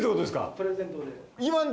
プレゼントで。